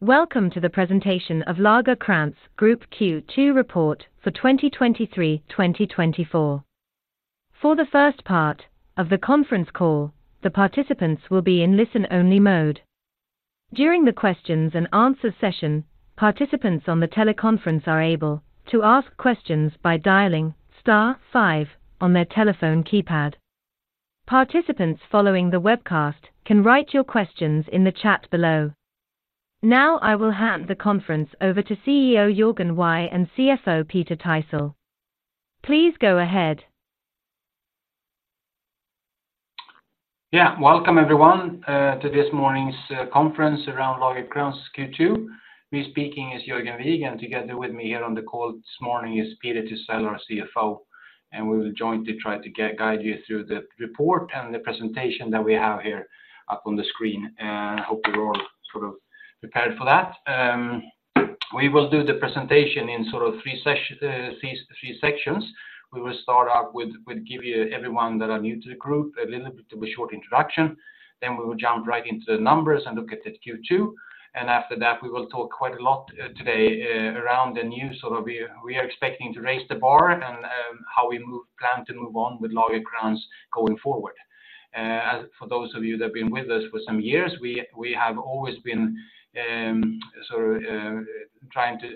Welcome to the presentation of Lagercrantz Group Q2 report for 2023, 2024. For the first part of the conference call, the participants will be in listen-only mode. During the questions and answer session, participants on the teleconference are able to ask questions by dialing star five on their telephone keypad. Participants following the webcast can write your questions in the chat below. Now, I will hand the conference over to CEO Jörgen Wigh and CFO Peter Thysell. Please go ahead. Yeah, welcome everyone to this morning's conference around Lagercrantz' Q2. Me speaking is Jörgen Wigh, and together with me here on the call this morning is Peter Thysell, our CFO, and we will jointly try to guide you through the report and the presentation that we have here up on the screen. Hope you're all sort of prepared for that. We will do the presentation in sort of three sections. We will start out with we'll give you everyone that are new to the group a little bit of a short introduction, then we will jump right into the numbers and look at the Q2, and after that, we will talk quite a lot today around the new. Sort of we are expecting to raise the bar and how we plan to move on with Lagercrantz going forward. For those of you that have been with us for some years, we have always been sort of trying to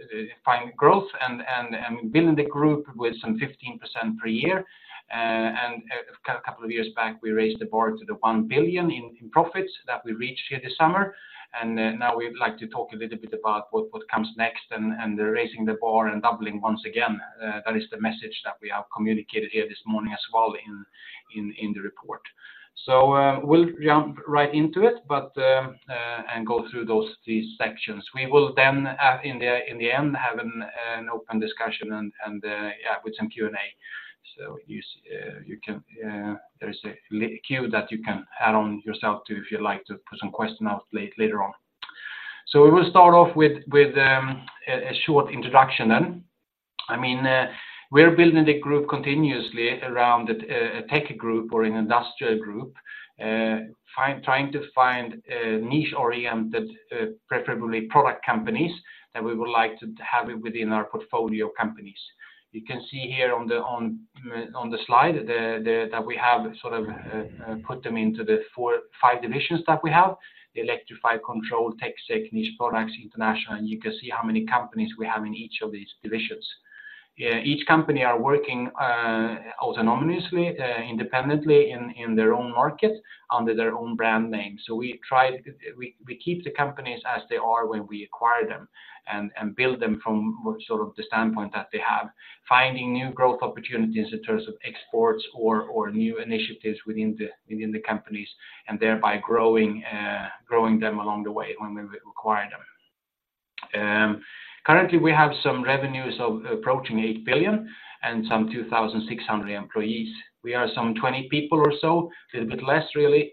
find growth and building the group with some 15% per year. And a couple of years back, we raised the bar to 1 billion in profits that we reached here this summer. And now we'd like to talk a little bit about what comes next and the raising the bar and doubling once again. That is the message that we have communicated here this morning as well in the report. So we'll jump right into it but and go through those three sections. We will then in the end have an open discussion and, yeah, with some Q&A. So you can there's a queue that you can add on yourself to if you'd like to put some questions out later on. So we will start off with a short introduction then. I mean we're building the group continuously around a tech group or an industrial group, trying to find niche-oriented, preferably product, companies that we would like to have it within our portfolio companies. You can see here on the slide that we have sort of put them into the five divisions that we have, the Electrify, Control, TecSec, Niche Products, International, and you can see how many companies we have in each of these divisions. Each company are working autonomously, independently in their own market under their own brand name. So we try. We keep the companies as they are when we acquire them and build them from sort of the standpoint that they have, finding new growth opportunities in terms of exports or new initiatives within the companies and thereby growing them along the way when we acquire them. Currently, we have some revenues of approaching 8 billion and some 2,600 employees. We are some 20 people or so, a little bit less really,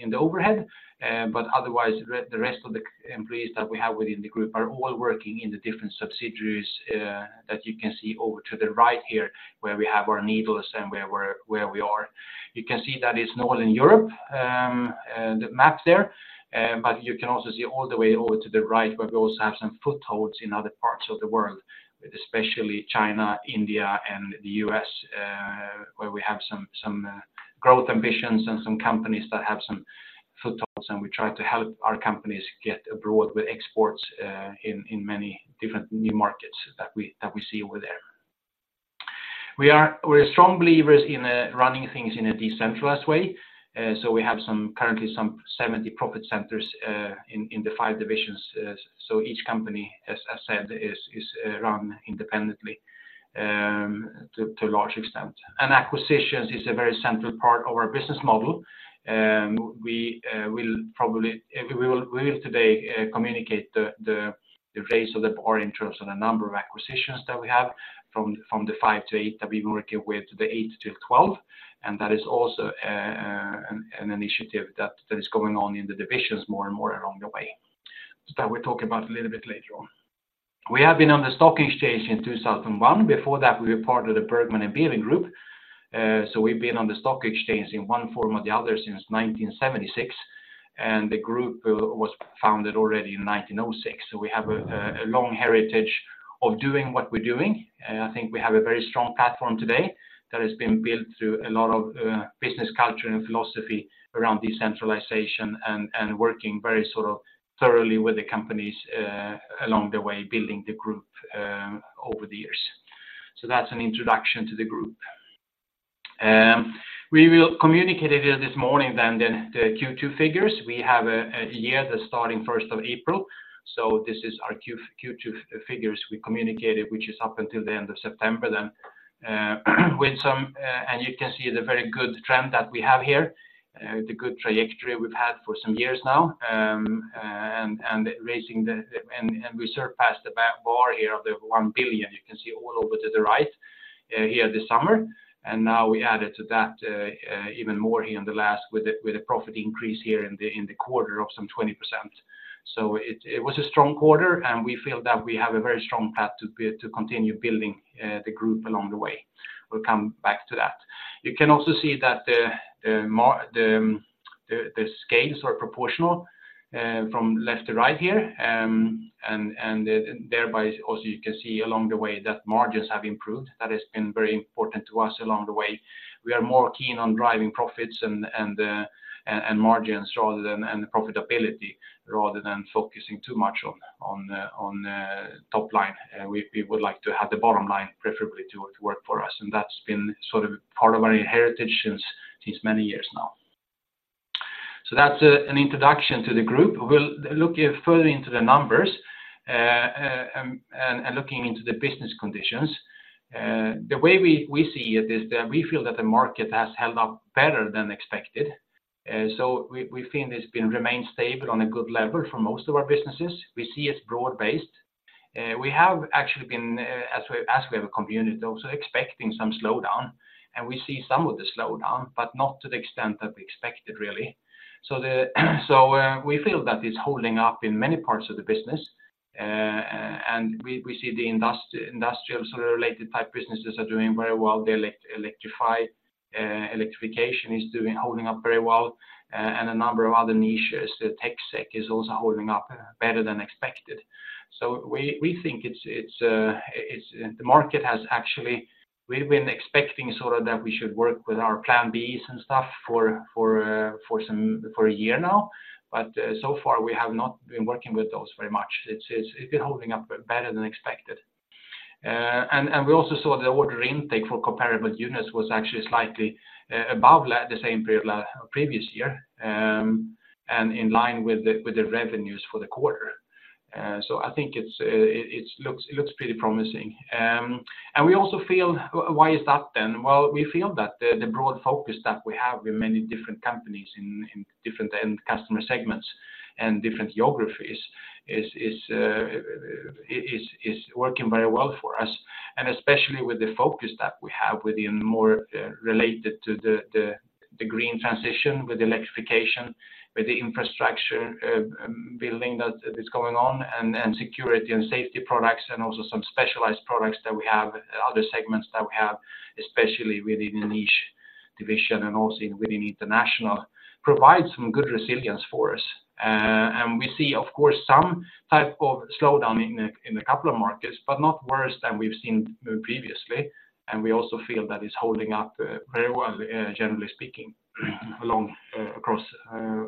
in the overhead, but otherwise, the rest of the employees that we have within the group are all working in the different subsidiaries that you can see over to the right here where we have our needles and where we are. You can see that it's Northern Europe, the map there, but you can also see all the way over to the right where we also have some footholds in other parts of the world, especially China, India and the U.S., where we have some growth ambitions and some companies that have some footholds, and we try to help our companies get abroad with exports in many different new markets that we see over there. We're strong believers in running things in a decentralized way. So we have currently some 70 profit centers in the five divisions. So each company, as I said, is run independently to a large extent. And acquisitions is a very central part of our business model. We will today communicate the raise of the bar in terms of the number of acquisitions that we have from the five-eight that we were working with to the eight-12, and that is also an initiative that is going on in the divisions more and more along the way. So that, we'll talk about a little bit later on. We have been on the stock exchange in 2001. Before that, we were part of the Bergman & Beving Group. So we've been on the stock exchange in one form or the other since 1976. And the group was founded already in 1906, so we have a long heritage of doing what we're doing. And I think we have a very strong platform today that has been built through a lot of business culture and philosophy around decentralization and working very sort of thoroughly with the companies along the way, building the group over the years. So that's an introduction to the group. We will communicate a little this morning then the Q2 figures. We have a year that's starting 1st of April, so this is our Q2 figures we communicated, which is up until the end of September then. You can see the very good trend that we have here, the good trajectory we've had for some years now, and we surpassed the bar here of the 1 billion you can see all over to the right here this summer. And now we added to that even more here in the last with a profit increase here in the quarter of some 20%. So it was a strong quarter, and we feel that we have a very strong path to continue building the group along the way. We'll come back to that. You can also see that the scales are proportional from left to right here, and thereby also you can see along the way that margins have improved. That has been very important to us along the way. We are more keen on driving profits and margins rather than and the profitability rather than focusing too much on top line. We would like to have the bottom line preferably to work for us, and that's been sort of part of our heritage since many years now. So that's an introduction to the group. We'll look further into the numbers. And looking into the business conditions, the way we see it is that we feel that the market has held up better than expected. So we feel it's been remained stable on a good level for most of our businesses. We see it's broad based. We have actually been, as we have communicated also, expecting some slowdown, and we see some of the slowdown but not to the extent that we expected really. So we feel that it's holding up in many parts of the business, and we see the industrial sort of related type businesses are doing very well. The Electrify, electrification, is doing, holding up very well, and a number of other niches. The TecSec is also holding up better than expected. So we think it's the market has actually. We've been expecting sort of that we should work with our plan Bs and stuff for a year now, but so far, we have not been working with those very much. It's been holding up better than expected. And we also saw the order intake for comparable units was actually slightly above the same period previous year and in line with the revenues for the quarter, so I think it looks pretty promising. And we also feel, why is that then? Well, we feel that the broad focus that we have with many different companies in different end customer segments and different geographies is working very well for us. And especially with the focus that we have within more related to the green transition with electrification, with the infrastructure building that is going on, and security and safety products and also some specialized products that we have, and other segments that we have, especially within the niche division and also within International provides some good resilience for us. And we see, of course, some type of slowdown in a couple of markets but not worse than we've seen previously, and we also feel that it's holding up very well, generally speaking, across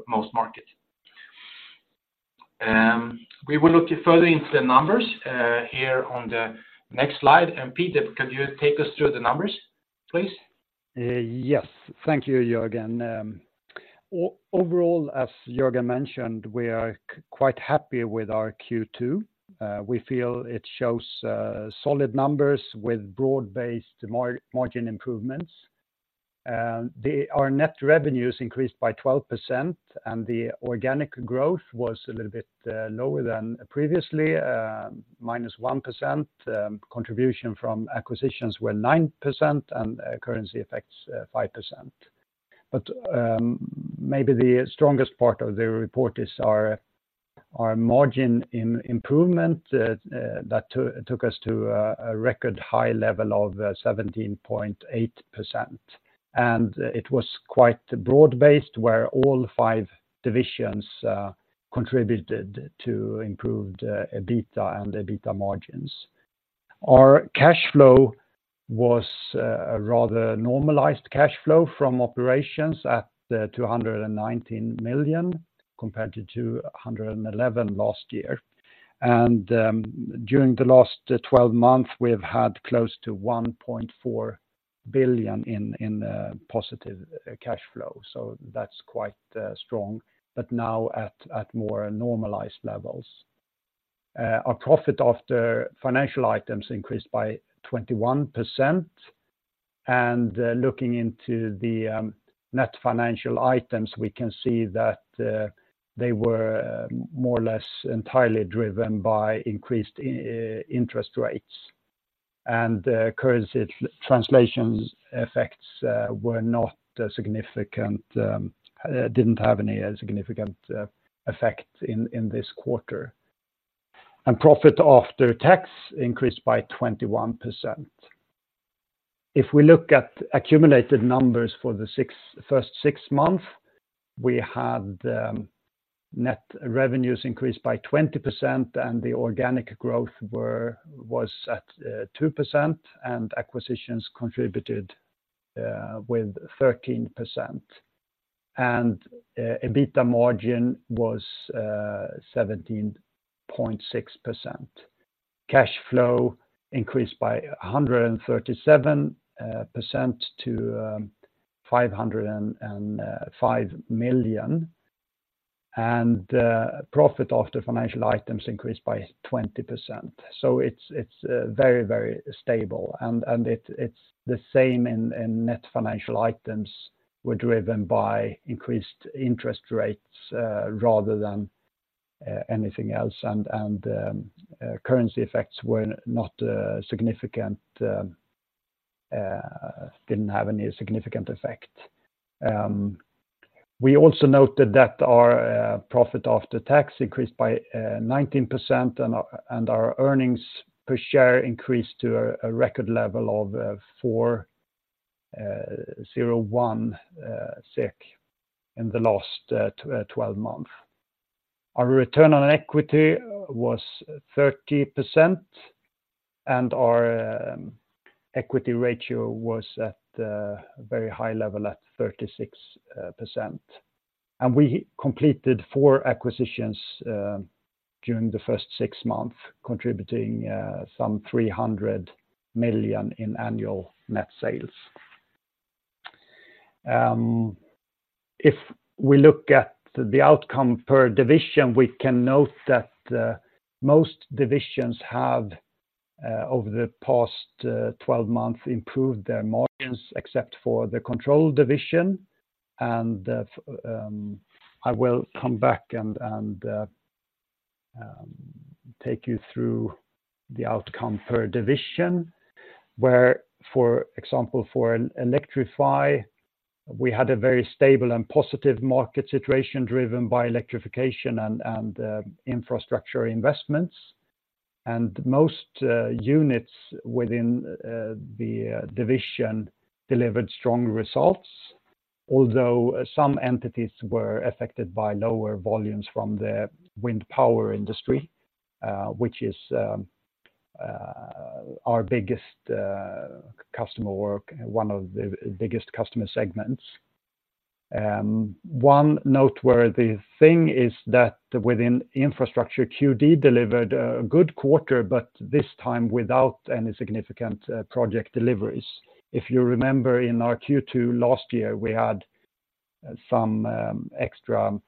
most markets. We will look further into the numbers here on the next slide. Peter, could you take us through the numbers, please? Yes. Thank you, Jörgen. Overall, as Jörgen mentioned, we are quite happy with our Q2. We feel it shows solid numbers with broad-based margin improvements. Our net revenues increased by 12%, and the organic growth was a little bit lower than previously, minus 1%. Contribution from acquisitions were 9%, and currency effects, 5%. But maybe the strongest part of the report is our margin improvement that took us to a record high level of 17.8%. And it was quite broad-based, where all five divisions contributed to improved EBITA and EBITA margins. Our cash flow was a rather normalized cash flow from operations at 219 million compared to 211 million last year. During the last 12 months, we've had close to 1.4 billion in positive cash flow, so that's quite strong but now at more normalized levels. Our profit after financial items increased by 21%, and looking into the net financial items, we can see that they were more or less entirely driven by increased interest rates. The currency translation effects were not significant, didn't have any significant effect in this quarter. Profit after tax increased by 21%. If we look at accumulated numbers for the first six months. We had net revenues increase by 20%, and the organic growth was at 2%, and acquisitions contributed with 13%. EBITA margin was 17.6%. Cash flow increased by 137% to SEK 505 million. Profit after financial items increased by 20%. So it's very stable. And it's the same in net financial items were driven by increased interest rates rather than anything else. Currency effects were not significant, didn't have any significant effect. We also noted that our profit after tax increased by 19% and our earnings per share increased to a record level of 4.01 in the last 12 months. Our return on equity was 30%, and our equity ratio was at a very high level at 36%. We completed four acquisitions during the first six months, contributing some 300 million in annual net sales. If we look at the outcome per division, we can note that most divisions have over the past 12 months improved their margins, except for the Control division. I will come back and take you through the outcome per division, where, for example, for Electrify, we had a very stable and positive market situation driven by electrification and infrastructure investments. Most units within the division delivered strong results, although some entities were affected by lower volumes from the wind power industry, which is our biggest customer work, one of biggest customer segments. One noteworthy thing is that within infrastructure, CueDee delivered a good quarter but this time without any significant project deliveries. If you remember, in our Q2 last year, we had some extra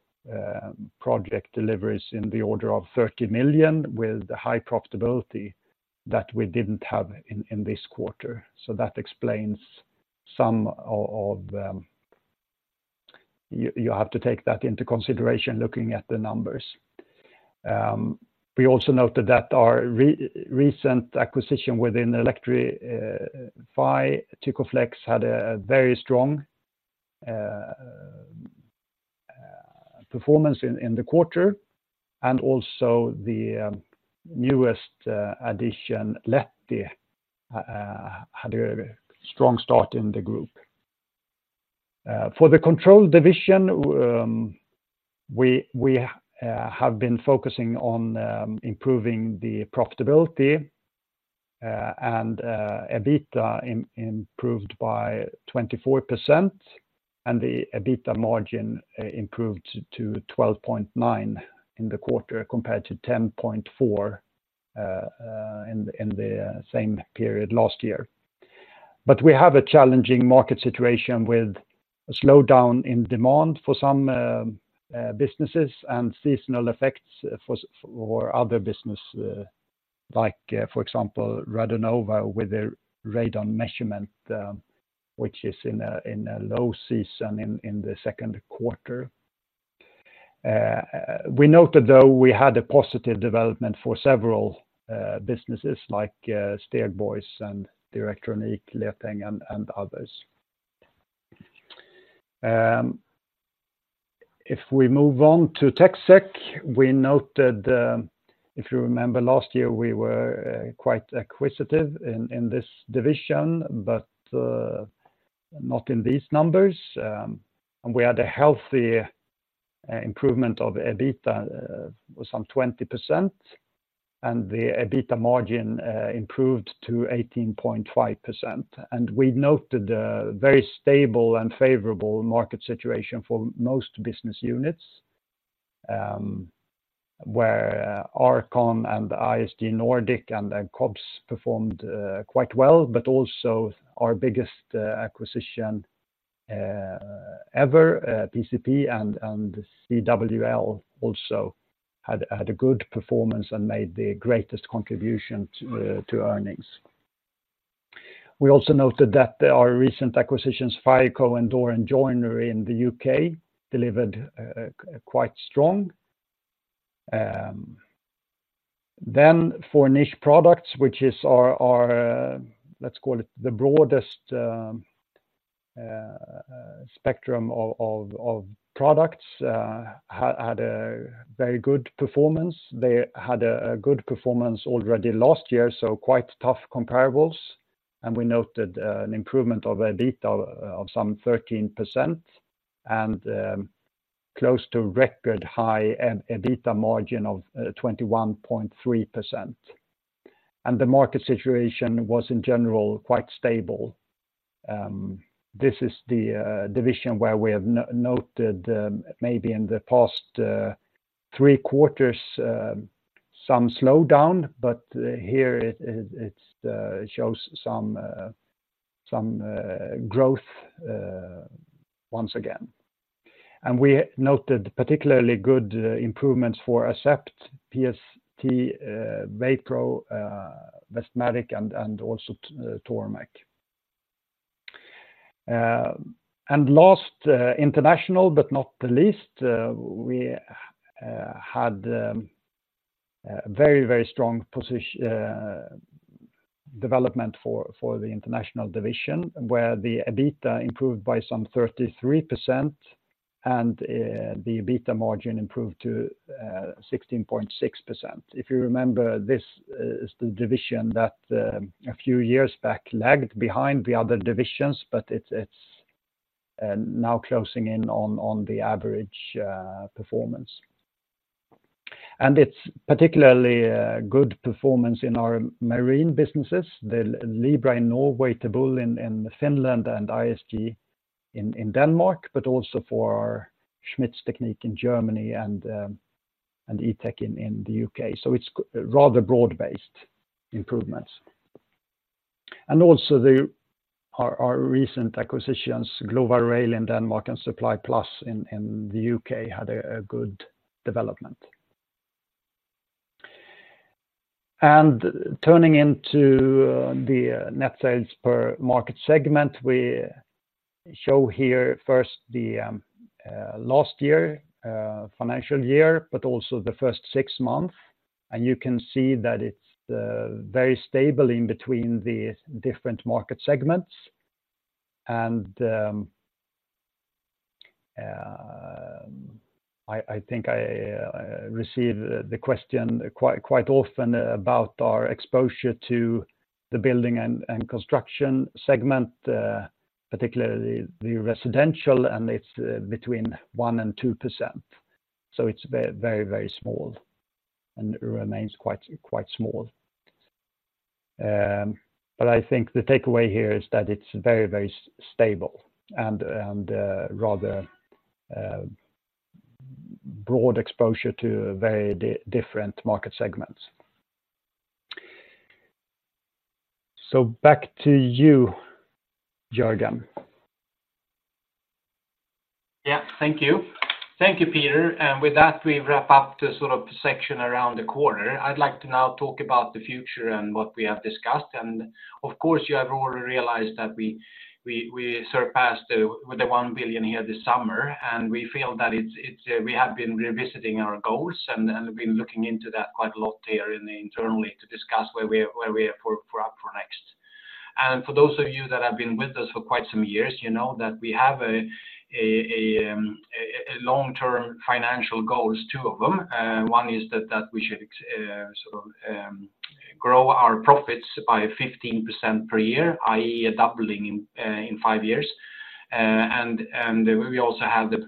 project deliveries in the order of 30 million with the high profitability that we didn't have in this quarter. So that explains some of. You have to take that into consideration looking at the numbers. We also noted that our recent acquisition within Electrify, Tykoflex, had a very strong performance in the quarter, and also the newest addition, Letti, had a strong start in the group. For the Control division, we have been focusing on improving the profitability, and EBITA improved by 24%, and the EBITA margin improved to 12.9% in the quarter, compared to 10.4% in the same period last year. But we have a challenging market situation with a slowdown in demand for some businesses and seasonal effects for other business, like, for example, Radonova, with their radon measurement, which is in a low season in the second quarter. We noted, though, we had a positive development for several businesses, like Stegborgs and Direktronik, Leteng, and others. If we move on to TecSec, we noted, if you remember, last year we were quite acquisitive in this division but not in these numbers. And we had a healthy improvement of EBITA of some 20%, and the EBITA margin improved to 18.5%. And we noted the very stable and favorable market situation for most business units, where R-CON and ISG Nordic and COBS performed quite well, but also our biggest acquisition ever, PcP and CWL, also had a good performance and made the greatest contribution to earnings. We also noted that our recent acquisitions, Fireco and Door and Joinery in the U.K., delivered quite strong. Then for Niche Products, which is our, let's call it, the broadest spectrum of products, had a very good performance. They had a good performance already last year, so quite tough comparables. We noted an improvement of EBITA of some 13% and close to record-high EBITA margin of 21.3%. The market situation was in general quite stable. This is the division where we have noted maybe in the past three quarters some slowdown, but here it shows some growth once again. We noted particularly good improvements for ASEPT, PST, Wapro, Westmatic and also Tormek. Last, International, but not the least, we had a very, very strong development for the International division, where the EBITA improved by some 33% and the EBITA margin improved to 16.6%. If you remember, this is the division that a few years back lagged behind the other divisions, but it's now closing in on the average performance. It's particularly a good performance in our marine businesses, the Libra in Norway, Tebul in Finland, and ISG in Denmark, but also for our Schmitztechnik in Germany and E-Tech in the U.K. It's rather broad-based improvements. Also our recent acquisitions, Glova Rail in Denmark and Supply Plus in the U.K., had a good development. Turning into the net sales per market segment, we show here first the last financial year but also the first six months. You can see that it's very stable in between the different market segments. I think I receive the question quite often about our exposure to the building and construction segment, particularly the residential, and it's between 1% and 2%, so it's very, very small, and it remains quite small. But I think the takeaway here is that it's very, very stable and rather broad exposure to very different market segments. So back to you, Jörgen. Yeah. Thank you. Thank you, Peter. With that, we wrap up the sort of section around the corner. I'd like to now talk about the future and what we have discussed. Of course, you have already realized that we surpassed the 1 billion here this summer, and we feel that it's we have been revisiting our goals and been looking into that quite a lot here internally to discuss where we are up for next. For those of you that have been with us for quite some years, you know that we have a long-term financial goals, two of them. One is that we should sort of grow our profits by 15% per year, i.e., a doubling in five years. We also have the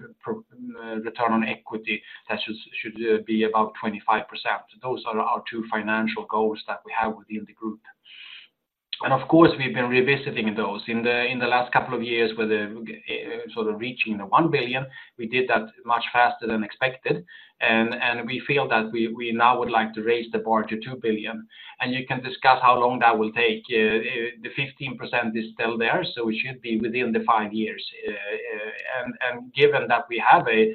return on equity that should be above 25%. Those are our two financial goals that we have within the group. Of course, we've been revisiting those. In the last couple of years, with the sort of reaching the 1 billion, we did that much faster than expected, and we feel that we now would like to raise the bar to 2 billion, and you can discuss how long that will take. The 15% is still there, so it should be within the five years. And given that we have a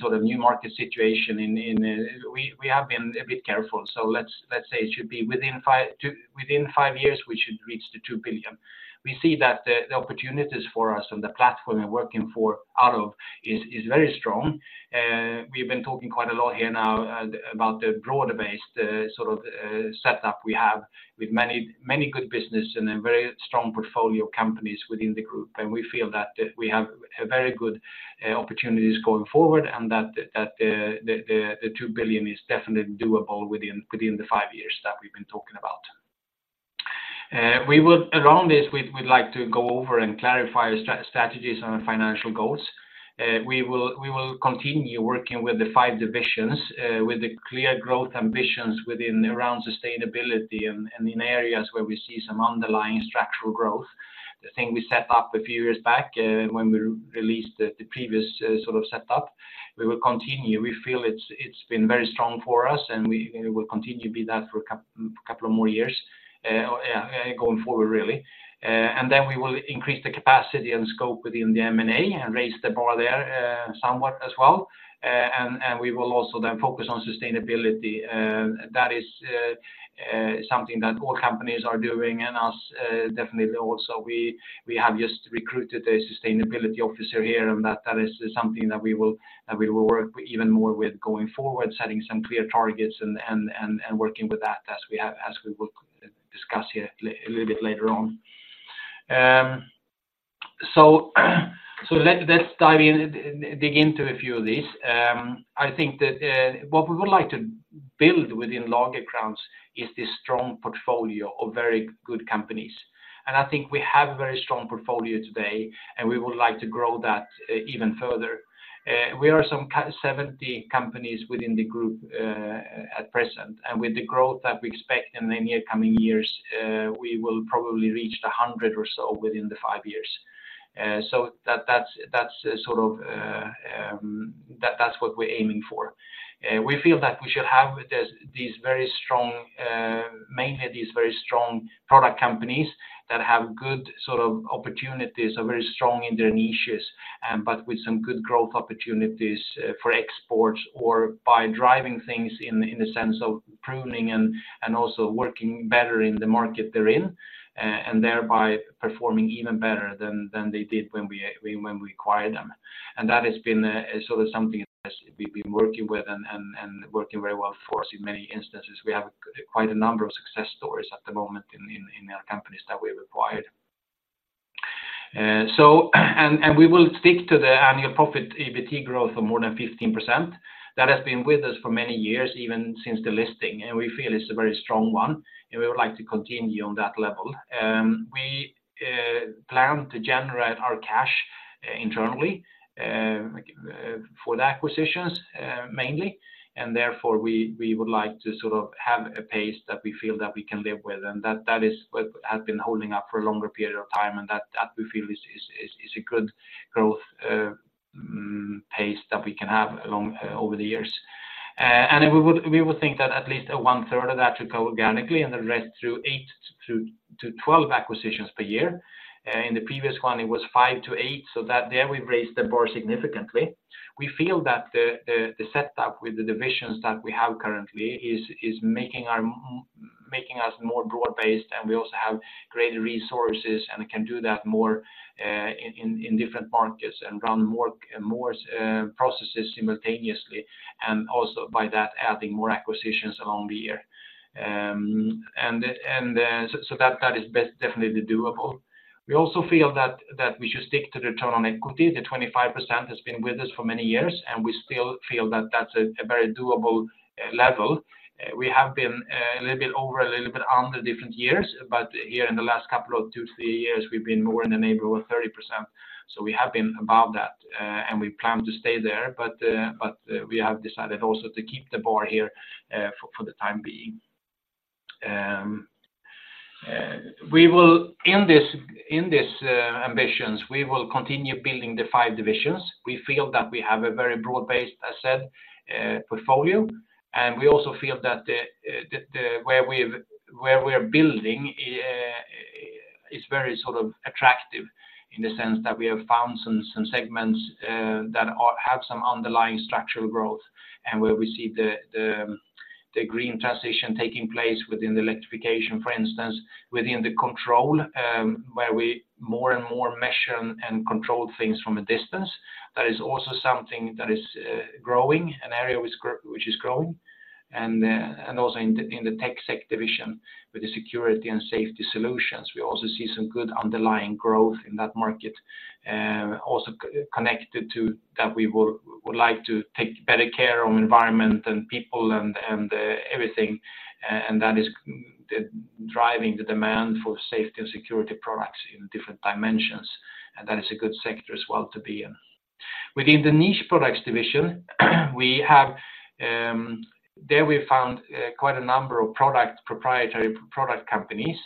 sort of new market situation in., we have been a bit careful, so let's say it should be, within five years, we should reach the 2 billion. We see that the opportunities for us and the platform we're working for out of is very strong. We've been talking quite a lot here now about the broader base, sort of setup we have with many good business and a very strong portfolio of companies within the group. And we feel that we have a very good opportunities going forward and that the 2 billion is definitely doable within the five years that we've been talking about. We would, around this, we'd like to go over and clarify our strategies and financial goals. We will continue working with the five divisions with the clear growth ambitions within around sustainability and in areas where we see some underlying structural growth. The thing we set up a few years back, when we released the previous sort of setup, we will continue. We feel it's been very strong for us and will continue to be that for a couple of more years going forward really. And then we will increase the capacity and scope within the M&A and raise the bar there somewhat as well. And we will also then focus on sustainability. That is something that all companies are doing, and us definitely also. We have just recruited a sustainability officer here. And that is something that we will work even more with going forward, setting some clear targets and working with that, as we will discuss here a little bit later on. So let's dive in, dig into a few of these. I think that what we would like to build within Lagercrantz is this strong portfolio of very good companies, and I think we have a very strong portfolio today, and we would like to grow that even further. We are some 70 companies within the group at present, and with the growth that we expect in the near coming years, we will probably reach 100 or so within the five years. So that's what we're aiming for. We feel that we should have these very strong, mainly these very strong product companies that have good sort of opportunities, are very strong in their niches but with some good growth opportunities for exports or by driving things in the sense of pruning and also working better in the market they're in and thereby performing even better than they did when we acquired them. And that has been sort of something that we've been working with and working very well for us in many instances. We have quite a number of success stories at the moment in companies that we've acquired. So we will stick to the annual profit EBT growth of more than 15%. That has been with us for many years, even since the listing, and we feel it's a very strong one and we would like to continue on that level. We plan to generate our cash internally, for the acquisitions mainly, and therefore, we would like to sort of have a pace that we feel that we can live with. And that is what has been holding up for a longer period of time, and that, we feel, is a good growth pace that we can have along over the years. And we would think that at least 1/3 of that to grow organically, and the rest through eight-12 acquisitions per year. In the previous one, it was five-eight, so that there, we've raised the bar significantly. We feel that the setup with the divisions that we have currently is making us more broad based, and we also have greater resources and can do that more in different markets and run more processes simultaneously and also, by that, adding more acquisitions along the year. And then so that is best, definitely doable. We also feel that we should stick to the return on equity. The 25% has been with us for many years, and we still feel that that's a very doable level. We have been a little bit over, a little bit under different years, but here in the last couple of two-three years, we've been more in the neighborhood of 30%. So we have been above that, and we plan to stay there, but we have decided also to keep the bar here for the time being. We will, in these ambitions, we will continue building the five divisions. We feel that we have a very broad-based, as said, portfolio, and we also feel that the where we're building is very sort of attractive in the sense that we have found some segments that have some underlying structural growth and where we see the green transition taking place within the electrification, for instance, within the Control, where we more and more measure and control things from a distance. That is also something that is growing, an area which is growing. And also in the TecSec division, with the security and safety solutions, we also see some good underlying growth in that market. Also connected to that, we would like to take better care of environment and people and everything. And that is driving the demand for safety and security products in different dimensions, and that is a good sector as well to be in. Within the Niche Products division, we have there we found quite a number of proprietary product companies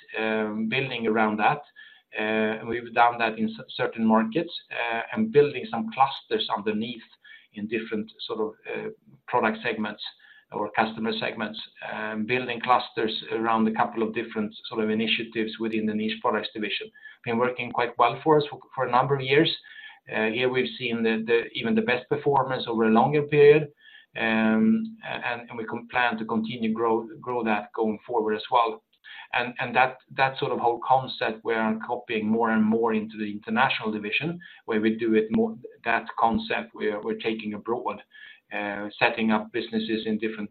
building around that. We've done that in certain markets and building some clusters underneath in different sort of product segments or customer segments, building clusters around a couple of different sort of initiatives within the Niche Products division. Been working quite well for us for a number of years. Here we've seen even the best performance over a longer period, and we plan to continue grow that going forward as well. And that sort of whole concept, we're copying more and more into the International division, where we do it more. That concept, we're taking abroad, setting up businesses in different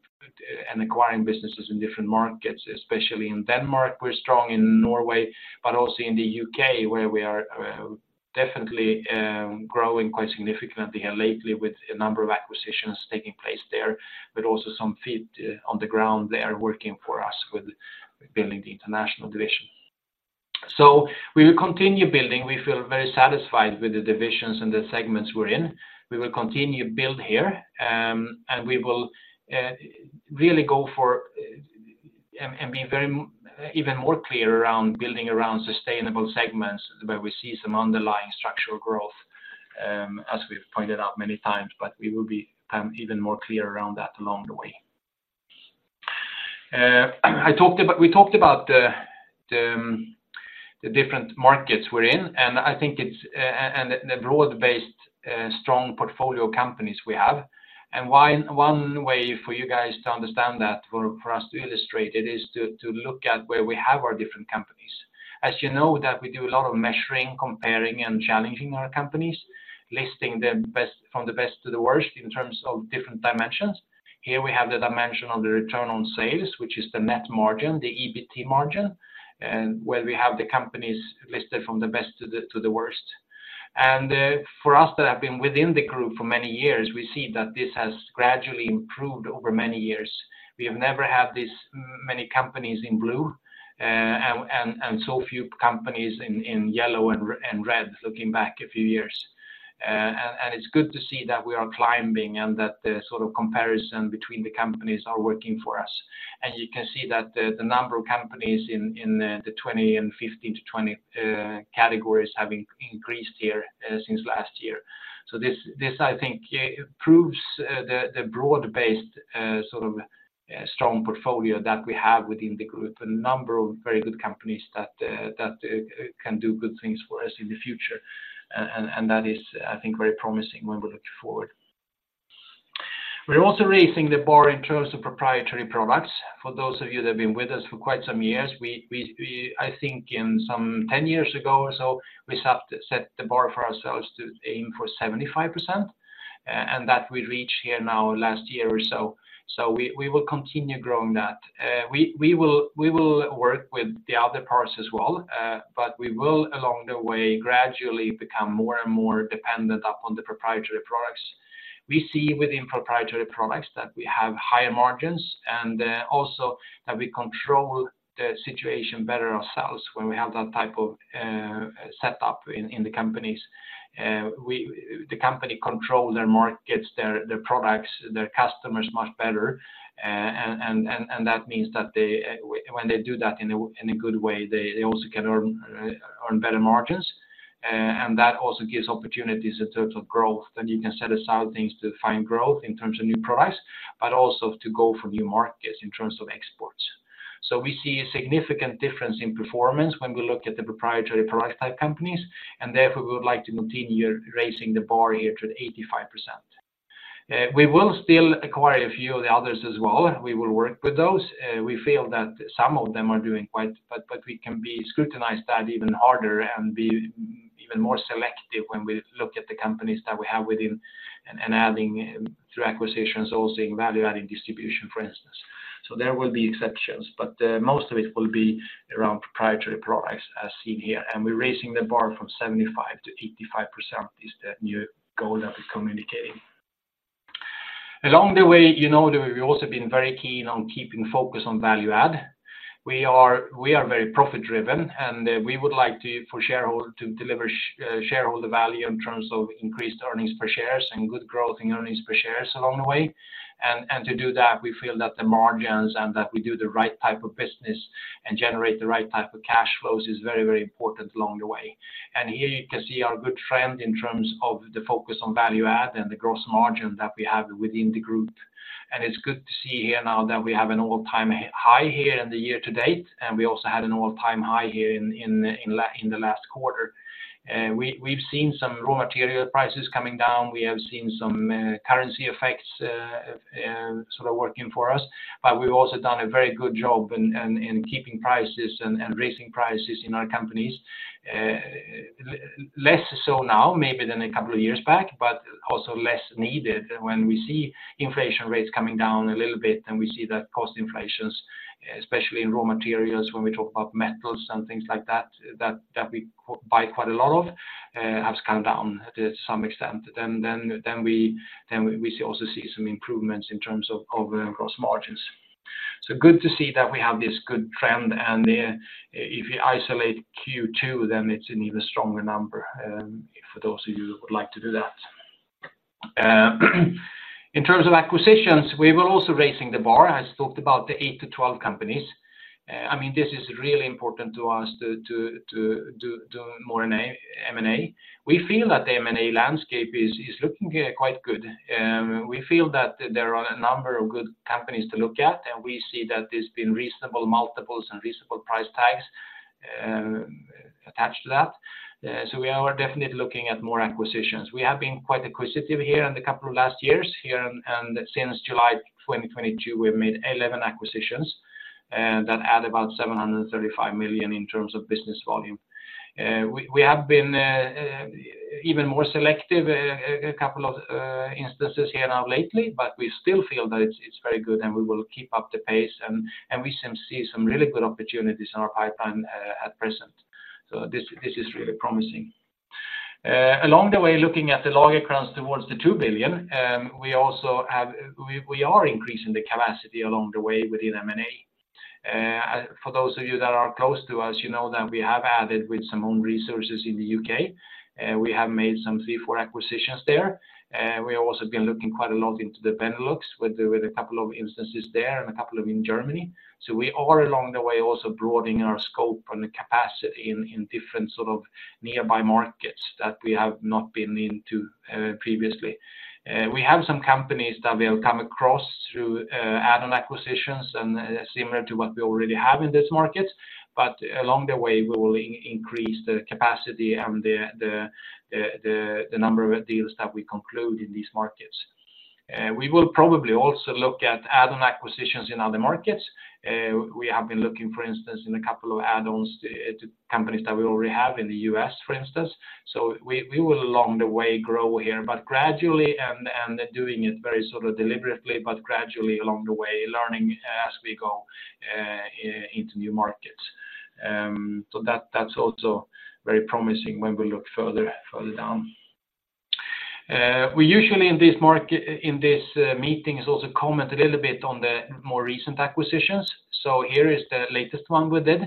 and acquiring businesses in different markets, especially in Denmark. We're strong in Norway but also in the U.K. where we are definitely growing quite significantly and lately with a number of acquisitions taking place there but also some feet on the ground there working for us with building the International division. So we will continue building. We feel very satisfied with the divisions and the segments we're in. We will continue to build here, and we will really go for and be very even more clear around building around sustainable segments where we see some underlying structural growth, as we've pointed out many times, but we will be even more clear around that along the way. We talked about the different markets we're in, and I think it's and the broad-based, strong portfolio companies we have. And one way for you guys to understand that, for us to illustrate it, is to look at where we have our different companies. As you know, that we do a lot of measuring, comparing, and challenging our companies, listing the best, from the best to the worst, in terms of different dimensions. Here we have the dimension on the return on sales, which is the net margin, the EBT margin, where we have the companies listed from the best to the worst. For us that have been within the group for many years, we see that this has gradually improved over many years. We have never had this many companies in blue and so few companies in yellow and red, looking back a few years. It's good to see that we are climbing and that the sort of comparison between the companies are working for us. You can see that the number of companies in the 20% and 15%-20% categories have increased here since last year. So this, I think, proves the broad-based sort of strong portfolio that we have within the group, a number of very good companies that can do good things for us in the future. And that is, I think, very promising when we look forward. We're also raising the bar in terms of proprietary products. For those of you that have been with us for quite some years, we, I think, in some 10 years ago or so, we set the bar for ourselves to aim for 75%. And that, we reached here now last year or so. So we will continue growing that. We will work with the other parts as well, but we will, along the way, gradually become more and more dependent upon the proprietary products. We see within proprietary products that we have higher margins and also that we control the situation better ourselves when we have that type of setup in the companies. The company controls their markets, their products, their customers much better. And that means that they, when they do that in a good way, they also can earn better margins. And that also gives opportunities in terms of growth, that you can set aside things to find growth in terms of new products, but also to go for new markets in terms of exports. So we see a significant difference in performance when we look at the proprietary product type companies, and therefore, we would like to continue raising the bar here to 85%. We will still acquire a few of the others as well. We will work with those. We feel that some of them are doing quite, but we can be scrutinized that even harder and be even more selective when we look at the companies that we have within and adding through acquisitions also, in value-adding distribution, for instance. So there will be exceptions, but most of it will be around proprietary products, as seen here, and we're raising the bar from 75% to 85% is the new goal that we're communicating. Along the way, you know that we've also been very keen on keeping focus on value add. We are very profit driven, and we would like to deliver shareholder value in terms of increased earnings per shares and good growth in earnings per shares along the way. To do that, we feel that the margins and that we do the right type of business and generate the right type of cash flows is very, very important along the way. And here you can see our good trend in terms of the focus on value add and the gross margin that we have within the group. And it's good to see here now that we have an all-time high here in the year-to-date and we also had an all-time high here in the last quarter. We've seen some raw material prices coming down. We have seen some currency effects sort of working for us, but we've also done a very good job in keeping prices and raising prices in our companies, less so now maybe than a couple of years back but also less needed when we see inflation rates coming down a little bit. And we see that cost inflations, especially in raw materials when we talk about metals and things like that, that we buy quite a lot of, have come down to some extent. Then we also see some improvements in terms of gross margins. So good to see that we have this good trend, and if you isolate Q2, then it's an even stronger number, for those of you who would like to do that. In terms of acquisitions, we were also raising the bar, as talked about, the eight-12 companies. I mean this is really important to us, to do more M&A. We feel that the M&A landscape is looking quite good. We feel that there are a number of good companies to look at, and we see that there's been reasonable multiples and reasonable price tags attached to that, so we are definitely looking at more acquisitions. We have been quite acquisitive here in the couple of last years here, and since July 2022, we've made 11 acquisitions that add about 735 million in terms of business volume. We have been even more selective a couple of instances here now lately, but we still feel that it's very good, and we will keep up the pace. And we see some really good opportunities in our pipeline at present, so this is really promising. Along the way, looking at the Lagercrantz towards the 2 billion, we also have, we are increasing the capacity along the way within M&A. For those of you that are close to us, you know that we have added with some own resources in the U.K. We have made some three, four acquisitions there. We have also been looking quite a lot into the Benelux with a couple of instances there and a couple of in Germany. So we are along the way also broadening our scope and the capacity in different sort of nearby markets that we have not been into previously. We have some companies that we have come across through add-on acquisitions and similar to what we already have in these markets, but along the way, we will increase the capacity and the number of deals that we conclude in these markets. We will probably also look at add-on acquisitions in other markets. We have been looking, for instance, in a couple of add-ons to companies that we already have in the U.S., for instance. So we will along the way grow here but gradually and doing it very sort of deliberately but gradually along the way, learning as we go into new markets. So that's also very promising when we look further down. We usually in these meetings also comment a little bit on the more recent acquisitions. So here is the latest one we did.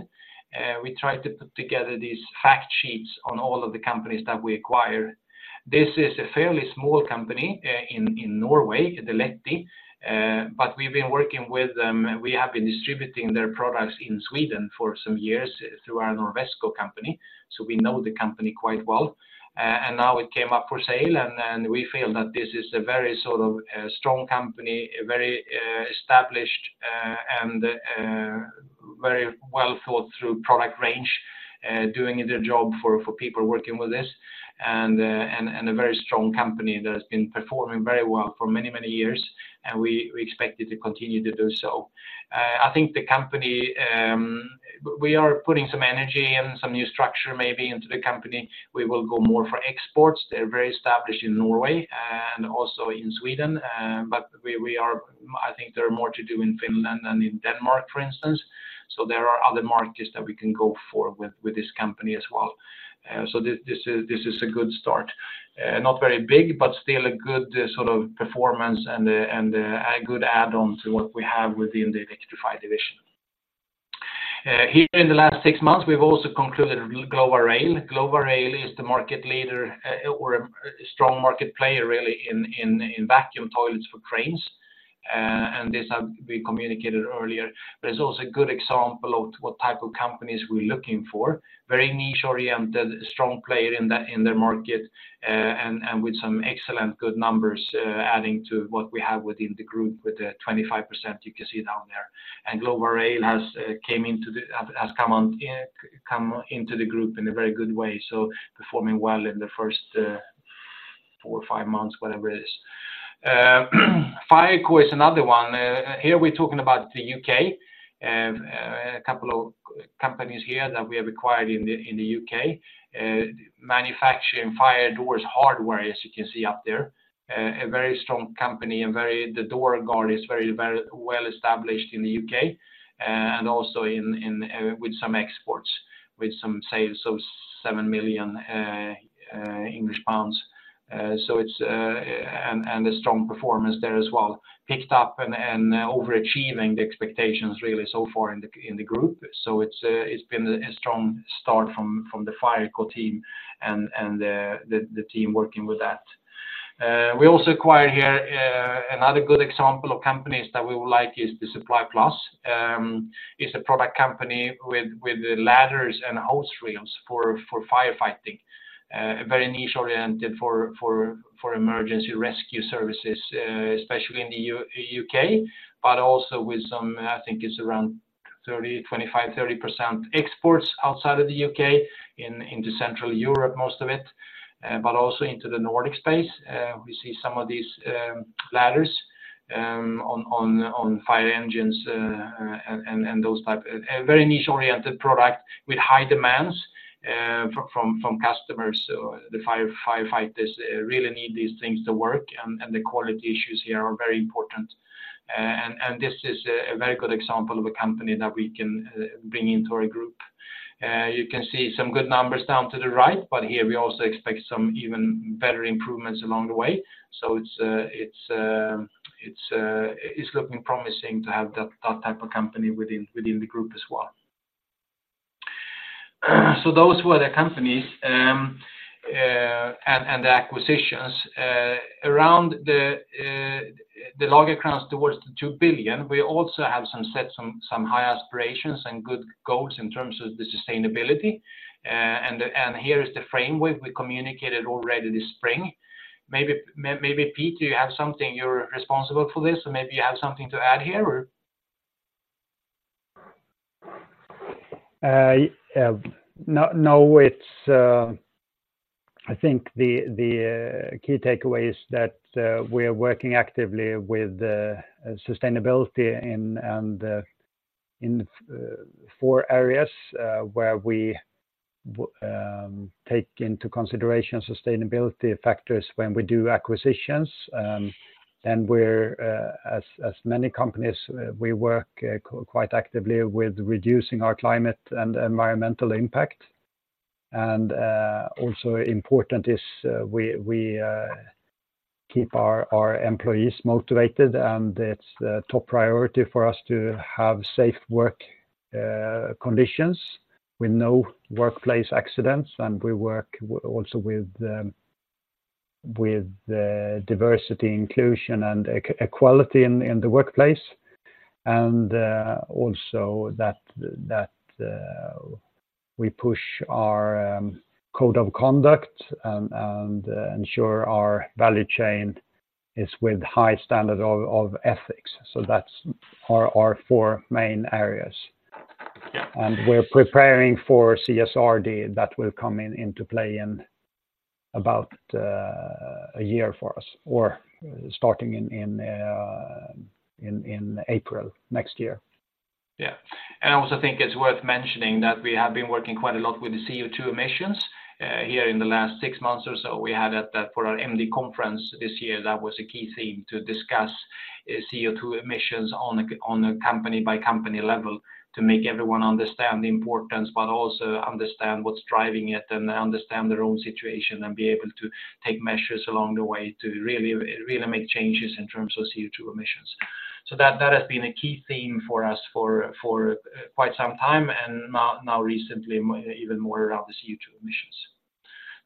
We tried to put together these fact sheets on all of the companies that we acquire. This is a fairly small company in Norway, Letti, but we've been working with them. We have been distributing their products in Sweden for some years through our Norwesco company, so we know the company quite well. And now it came up for sale. And we feel that this is a very sort of strong company, a very established and very well-thought-through product range, doing their job for people working with this, and a very strong company that has been performing very well for many, many years, and we expect it to continue to do so. I think, the company, we are putting some energy and some new structure maybe into the company. We will go more for exports. They're very established in Norway and also in Sweden, but I think there are more to do in Finland and in Denmark, for instance. So there are other markets that we can go for with this company as well. So this is a good start. Not very big but still a good sort of performance and a good add-on to what we have within the Electrify division. Here in the last six months, we've also concluded Glova Rail. Glova Rail is the market leader or a strong market player really in vacuum toilets for trains. And this, we communicated earlier, but it's also a good example of what type of companies we're looking for, very niche oriented, strong player in their market, and with some excellent, good numbers adding to what we have within the group with the 25% you can see down there. And Glova Rail has come into the group in a very good way, so performing well in the first four or five months, whatever it is. Fireco is another one. Here we're talking about the U.K., a couple of companies here that we have acquired in the U.K., manufacturing fire doors hardware, as you can see up there. A very strong company and very the Dorgard is very well established in the U.K., and also with some exports, with some sales of 7 million pounds. So it' a strong performance there as well picked up and overachieving the expectations really so far in the group, so it's been a strong start from the Fireco team and the team working with that. We also acquired here. Another good example of companies that we would like is the Supply Plus. It's a product company with the ladders and hose reels for firefighting, a very niche oriented for emergency rescue services, especially in the U.K., but also with some, I think it's around 25%, 30%, exports outside of the U.K., into Central Europe, most of it, but also into the Nordic space. We see some of these ladders on fire engines and those type. A very niche-oriented product with high demands from customers. So the firefighters really need these things to work, and the quality issues here are very important. And this is a very good example of a company that we can bring into our group. You can see some good numbers down to the right, but here we also expect some even better improvements along the way. So it's looking promising to have that type of company within the group as well. So those were the companies and the acquisitions. Around the Lagercrantz towards the 2 billion, we also have some high aspirations and good goals in terms of the sustainability. And here is the framework we communicated already this spring. Maybe, Peter, you have something. You're responsible for this, so maybe you have something to add here. No. It's I think the key takeaway is that we are working actively with sustainability in and in four areas, where we take into consideration sustainability factors when we do acquisitions. And we're as many companies. We work quite actively with reducing our climate and environmental impact. Also important is we keep our employees motivated. And it's a top priority for us to have safe work conditions with no workplace accidents. And we work also with diversity, inclusion, and equality in the workplace; and also that we push our code of conduct and ensure our value chain is with high standard of ethics. So that's our four main areas. We're preparing for CSRD that will come into play in about a year for us or starting in April next year. Yeah. I also think it's worth mentioning that we have been working quite a lot with CO₂ emissions here in the last six months or so. We had that for our MD conference this year. That was a key theme to discuss, is CO₂ emissions on a company-by-company level, to make everyone understand the importance but also understand what's driving it and understand their own situation and be able to take measures along the way to really make changes in terms of CO₂ emissions. So that has been a key theme for us for quite some time and now recently even more around the CO₂ emissions.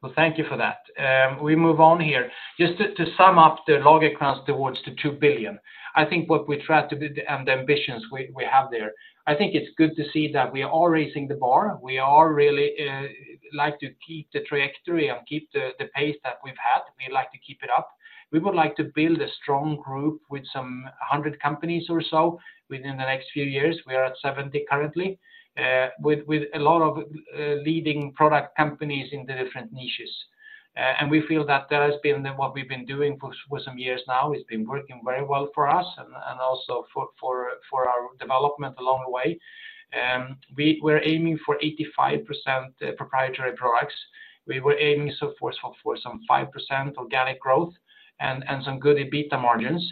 Well, thank you for that. We move on here just to sum up the Lagercrantz towards the 2 billion. I think what we try and the ambitions we have there. I think it's good to see that we are raising the bar. We are really like to keep the trajectory and keep the pace that we've had. We like to keep it up. We would like to build a strong group with some 100 companies or so within the next few years. We are at 70 currently, with a lot of leading product companies in the different niches. And we feel that that has been what we've been doing for some years now. It's been working very well for us and also for our development along the way. We're aiming for 85% proprietary products. We're aiming for some 5% organic growth and some good EBITA margins.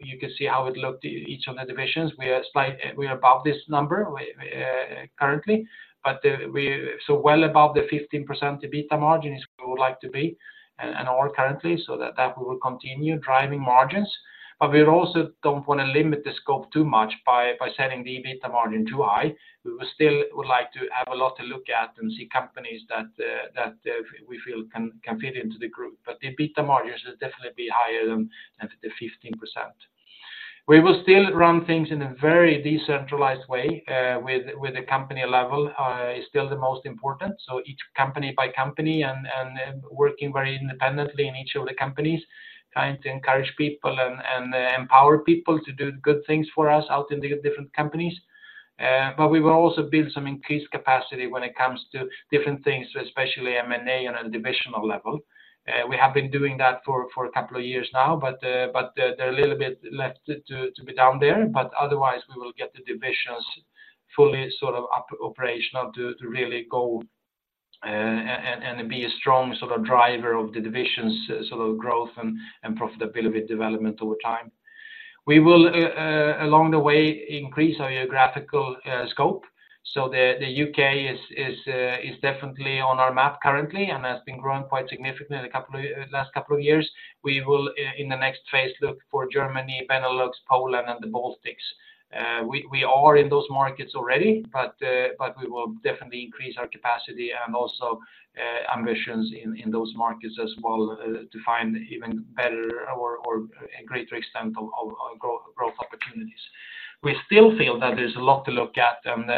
You can see how it looked in each of the divisions. We are above this number currently, but we are. So well above the 15% EBITA margin is where we would like to be and are currently, so that, we will continue, driving margins, but we also don't want to limit the scope too much by setting the EBITA margin too high. We would still like to have a lot to look at and see companies that we feel can fit into the group, but the EBITA margins will definitely be higher than the 15%. We will still run things in a very decentralized way, with the company level is still the most important. So it's company by company and working very independently in each of the companies, trying to encourage people and empower people to do good things for us out in the different companies, but we will also build some increased capacity when it comes to different things, especially M&A, on a divisional level. We have been doing that for a couple of years now, but there are a little bit left to be done there, but otherwise, we will get the divisions fully sort of up operational to really go and be a strong sort of driver of the divisions, so the growth and profitability development over time. We will, along the way, increase our geographical scope. So the U.K. is definitely on our map currently and has been growing quite significantly in a couple, last couple of years. We will, in the next phase, look for Germany, Benelux, Poland, and the Baltics. We are in those markets already, but we will definitely increase our capacity and also ambitions in those markets as well to find even better or a greater extent of growth opportunities. We still feel that there's a lot to look at, and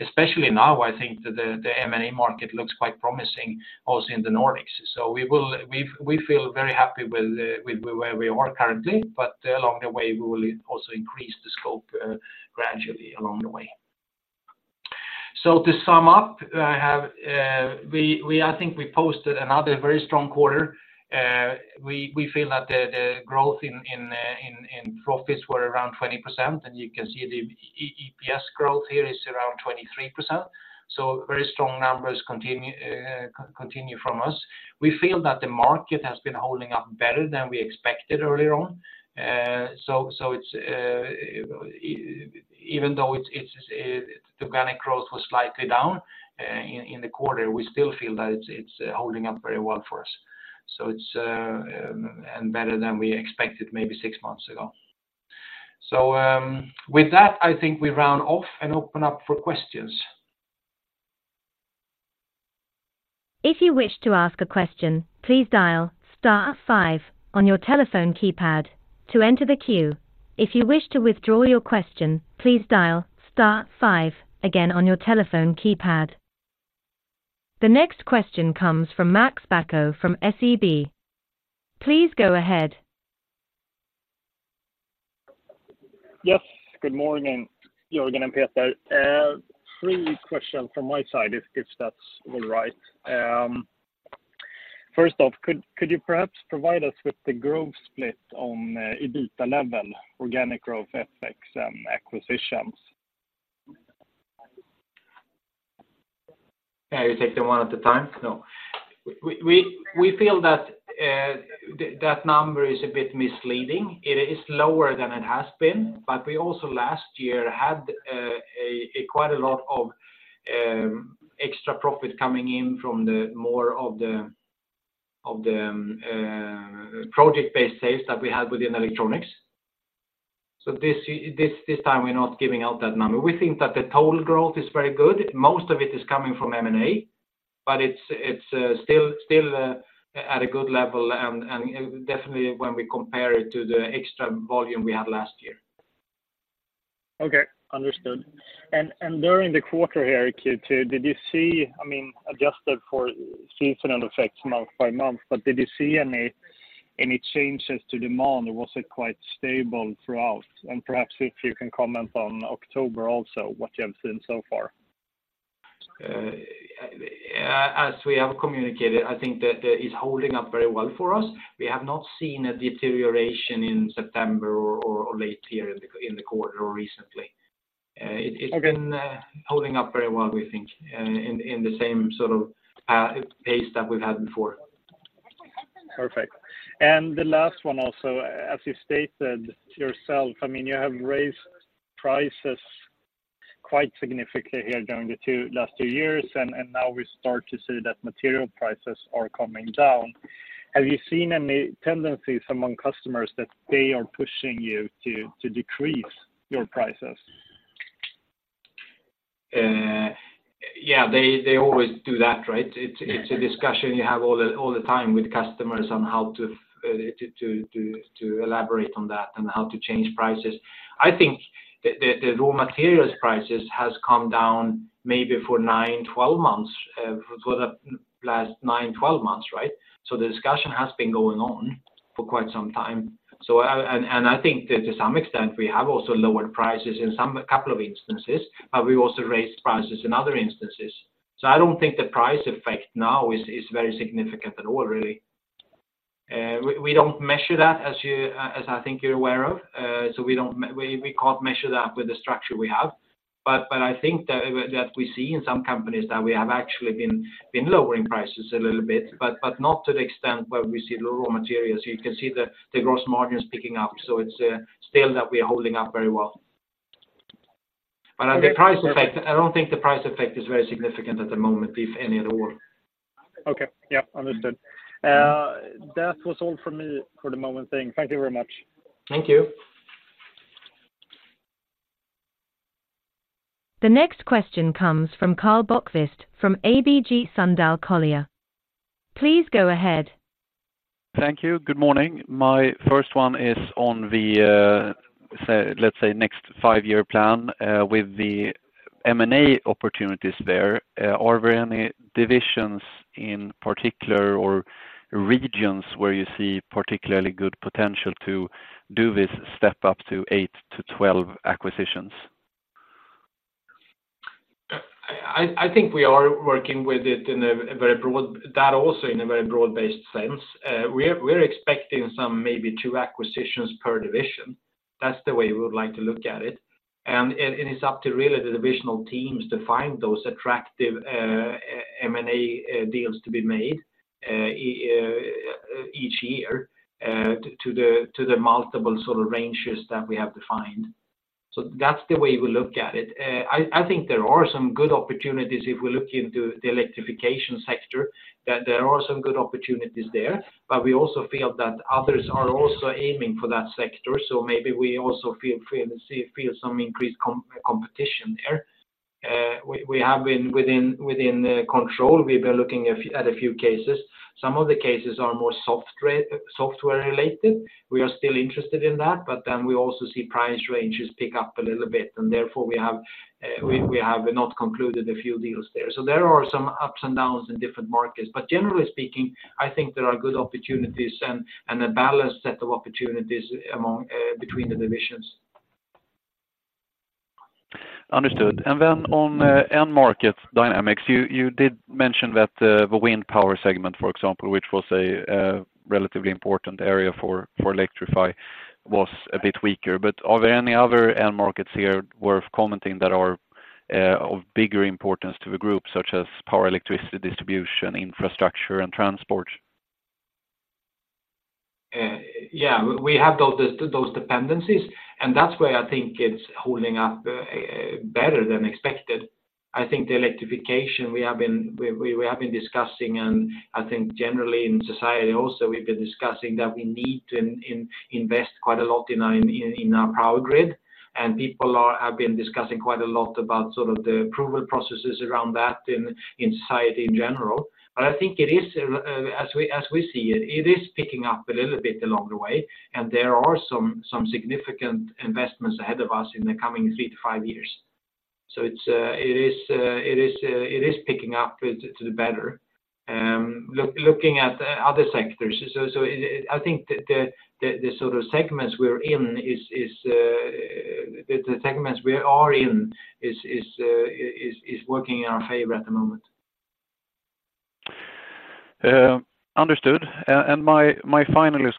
especially now, I think the M&A market looks quite promising also in the Nordics. We feel very happy with where we are currently, but along the way, we will also increase the scope gradually along the way. So to sum up. I think we posted another very strong quarter. We feel that the growth in profits were around 20%, and you can see the EPS growth here is around 23%. So very strong numbers continue from us. We feel that the market has been holding up better than we expected earlier on. So even though the organic growth was slightly down in the quarter, we still feel that it's holding up very well for us and better than we expected maybe six months ago. So with that, I think we round off and open up for questions. If you wish to ask a question, please dial star five on your telephone keypad to enter the queue. If you wish to withdraw your question, please dial star five again on your telephone keypad. The next question comes from Max Bacco from SEB. Please go ahead. Yes, good morning, Jörgen and Peter. Three questions from my side, if that's all right. First off, could you perhaps provide us with the growth split on EBITA level, organic growth, FX, and acquisitions? Yeah, you take them one at a time? No. We feel that that number is a bit misleading. It is lower than it has been, but we also last year had quite a lot of extra profit coming in from more of the project-based sales that we had within electronics. So this time, we're not giving out that number. We think that the total growth is very good. Most of it is coming from M&A, but it's still at a good level and definitely when we compare it to the extra volume we had last year. Okay, understood. And during the quarter here, Q2, did you see: I mean adjusted for seasonal effects month by month, but did you see any changes to demand, or was it quite stable throughout? And perhaps if you can comment on October also, what you have seen so far. As we have communicated, I think that it's holding up very well for us. We have not seen a deterioration in September or late here in the quarter or recently. It's been holding up very well, we think, in the same sort of pace that we've had before. Perfect. And the last one also, as you stated yourself, I mean, you have raised prices quite significantly here during the last two years, and now we start to see that material prices are coming down. Have you seen any tendencies among customers that they are pushing you to decrease your prices? Yeah. They always do that, right? Yeah. It's a discussion you have all the time with customers on how to elaborate on that and how to change prices. I think the raw materials prices has come down maybe for nine, 12 months, for the last nine, 12 months, right? So the discussion has been going on for quite some time. So and I think that, to some extent, we have also lowered prices in some couple of instances, but we've also raised prices in other instances, so I don't think the price effect now is very significant at all really. We don't measure that, as you, as I think you're aware of. So we don't, we can't measure that with the structure we have, but I think that we see in some companies that we have actually been lowering prices a little bit but not to the extent where we see lower raw materials. You can see the gross margins picking up, so it's still that we are holding up very well, but on the price effect, I don't think the price effect is very significant at the moment, if any at all. Okay. Yeah, understood. That was all for me for the moment then. Thank you very much. Thank you. The next question comes from Karl Bokvist from ABG Sundal Collier. Please go ahead. Thank you. Good morning. My first one is on the, say, let's say, next five-year plan with the M&A opportunities there. Are there any divisions in particular or regions where you see particularly good potential to do this step up to eight-12 acquisitions? I think we are working with it in a very broad-based sense. We're expecting maybe two acquisitions per division. That's the way we would like to look at it. It's up to really the divisional teams to find those attractive M&A deals to be made each year to the multiple sort of ranges that we have to find. So that's the way we look at it. I think there are some good opportunities if we look into the electrification sector, that there are some good opportunities there, but we also feel that others are also aiming for that sector, so maybe we also feel some increased competition there. We have been within control. We've been looking at a few cases. Some of the cases are more software related. We are still interested in that, but then we also see price ranges pick up a little bit, and therefore, we have not concluded a few deals there. So there are some ups and downs in different markets, but generally speaking, I think there are good opportunities and a balanced set of opportunities among, between the divisions. Understood. And then on end market dynamics, you did mention that the wind power segment, for example, which was a relatively important area for Electrify, was a bit weaker, but are there any other end markets here worth commenting that are of bigger importance to the group, such as power, electricity, distribution, infrastructure, and transport? Yeah, we have those dependencies, and that's why I think it's holding up better than expected. I think the electrification we have been discussing. And I think generally in society also, we've been discussing that we need to invest quite a lot in our power grid. And people have been discussing quite a lot about sort of the approval processes around that in society in general, but I think it is as we see it. It is picking up a little bit along the way, and there are some significant investments ahead of us in the coming three-five years. So it's picking up to the better, looking at other sectors. So I think the sort of segments we're in, the segments we are in, is working in our favor at the moment. Understood. My final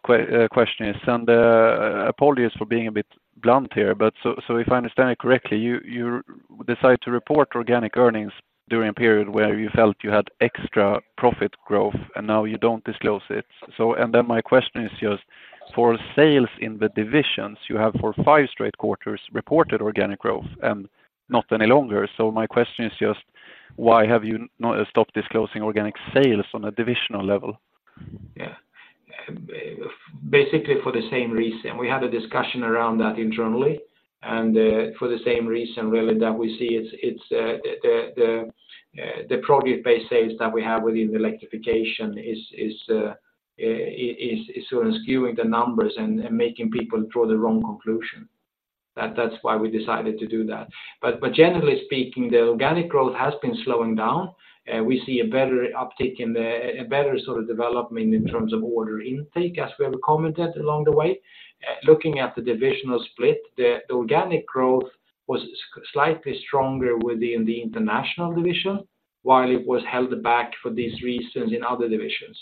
question is, and apologies for being a bit blunt here, but so if I understand it correctly, you decide to report organic earnings during a period where you felt you had extra profit growth, and now you don't disclose it. So then my question is just, for sales in the divisions, you have for five straight quarters reported organic growth and not any longer. So my question is just why have you stopped disclosing organic sales on a divisional level? Yeah. Basically for the same reason, we had a discussion around that internally and for the same reason really that we see it's the product-based sales that we have within electrification is sort of skewing the numbers and making people draw the wrong conclusion. That's why we decided to do that, but generally speaking, the organic growth has been slowing down. We see a better uptick and better sort of development in terms of order intake, as we have commented, along the way. Looking at the divisional split, the organic growth was slightly stronger within the International division, while it was held back for these reasons in other divisions,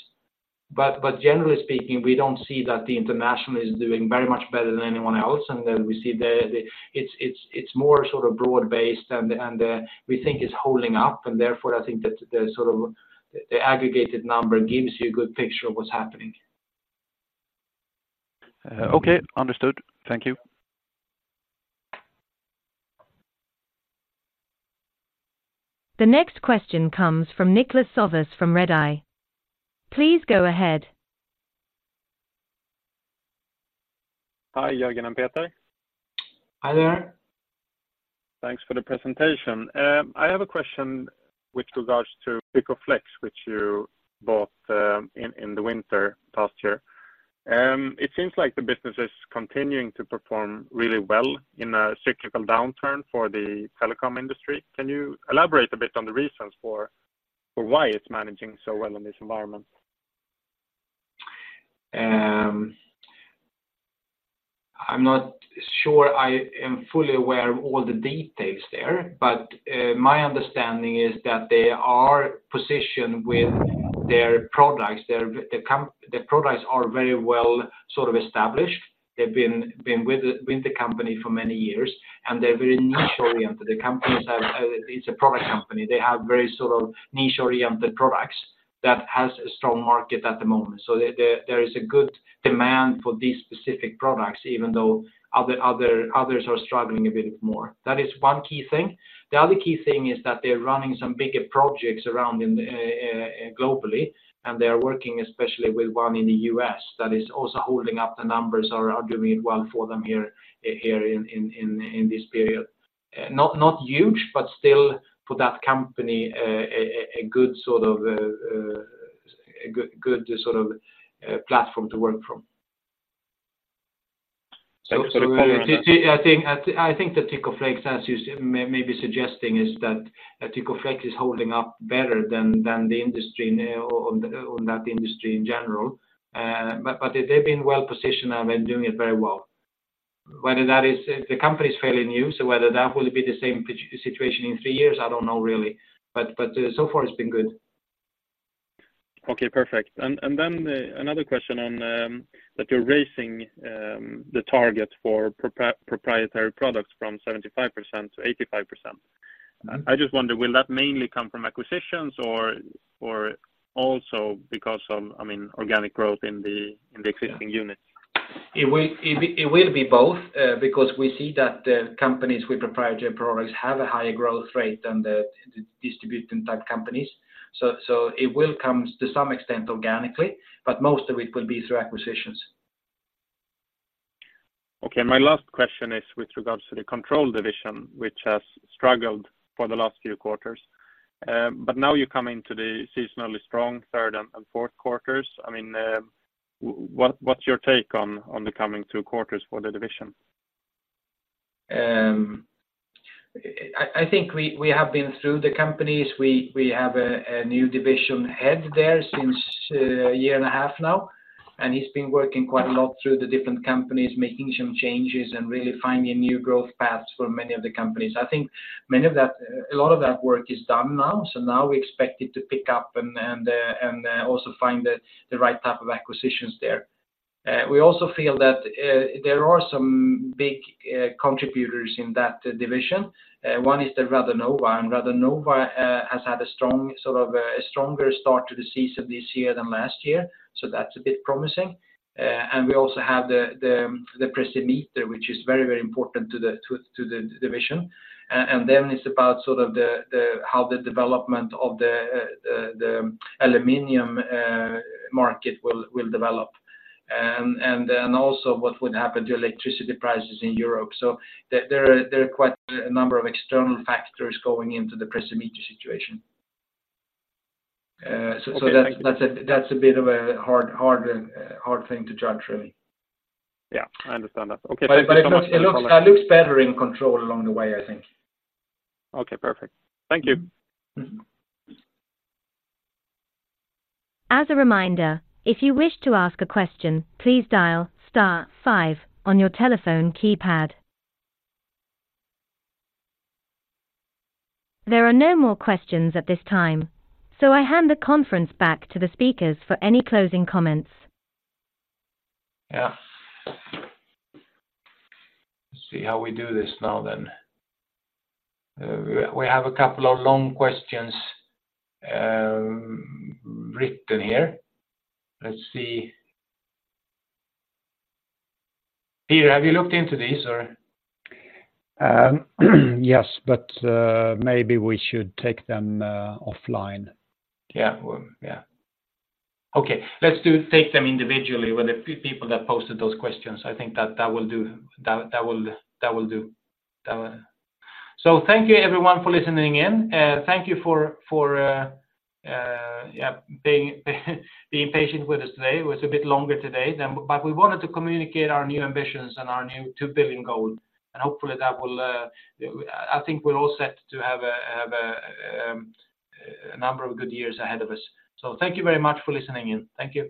but generally speaking, we don't see that the International is doing very much better than anyone else and that we see it's more sort of broad based. And we think it's holding up, and therefore, I think that sort of the aggregated number gives you a good picture of what's happening. Okay. Understood. Thank you. The next question comes from Niklas Sävås from Redeye. Please go ahead. Hi, Jörgen and Peter. Hi there. Thanks for the presentation. I have a question with regards to Tykoflex, which you bought in the winter last year. It seems like the business is continuing to perform really well in a cyclical downturn for the telecom industry. Can you elaborate a bit on the reasons for why it's managing so well in this environment? I'm not sure I am fully aware of all the details there, but my understanding is that they are positioned with their products. Their products are very well sort of established. They've been with the company for many years, and they're very niche oriented. The companies have. It's a product company. They have very sort of niche-oriented products that has strong market at the moment. So there is a good demand for these specific products even though others are struggling a bit more. That is one key thing. The other key thing is that they're running some bigger projects around globally, and they are working especially with one in the U.S. That is also holding up the numbers or are doing well for them here in this period, not huge but still, for that company, a good sort of platform to work from. I think Tykoflex, as you may be suggesting, is that Tykoflex is holding up better than the industry now on that industry in general, but they've been well positioned and been doing it very well. Whether that is: The company is fairly new, so whether that will be the same situation in three years, I don't know really, but so far it's been good. Okay, perfect. And then another question on that you're raising the targets for proprietary products from 75% to 85%. Mm-hmm. I just wonder. Will that mainly come from acquisitions or also because of, I mean, organic growth in the existing units? It will be both, because we see that companies with proprietary products have a higher growth rate than the distribution-type companies. So it will come to some extent organically, but most of it will be through acquisitions. Okay. My last question is with regards to the Control division, which has struggled for the last few quarters, but now you come into the seasonally strong third and fourth quarters. I mean, what's your take on the coming two quarters for the division? I think we have been through the companies. We have a new division head there since a year and a half now, and he's been working quite a lot through the different companies, making some changes and really finding new growth paths for many of the companies. I think many of that, a lot of that work is done now, so now we expect it to pick up and also find the right type of acquisitions there. We also feel that there are some big contributors in that division. One is the Radonova. And Radonova has had a strong, sort of a stronger start to the season this year than last year, so that's a bit promising. And we also have the Precimeter, which is very, very important to the division. And then it's about sort of the how the development of the aluminum market will develop and then also what would happen to electricity prices in Europe, so there are quite a number of external factors going into the Precimeter situation. Okay. So that's a bit of a hard thing to judge really. Yeah, I understand that. Okay. Thank you so much for your comments. It looks better in Control along the way, I think. Okay, perfect. Thank you. Mm-hmm. As a reminder, if you wish to ask a question, please dial star five on your telephone keypad. There are no more questions at this time, so I hand the conference back to the speakers for any closing comments. Yeah. Let's see how we do this now then. We have a couple of long questions written here. Let's see. Peter, have you looked into these? Or Yes, but maybe we should take them offline. Yeah. Well, yeah. Okay, let's do take them individually with the few people that posted those questions. I think that will do. That will do. So thank you, everyone, for listening in. Thank you for, yeah, being patient with us today. It was a bit longer today than, but we wanted to communicate our new ambitions and our new 2 billion goal, and hopefully, that will. I think we're all set to have a number of good years ahead of us. So thank you very much for listening in. Thank you.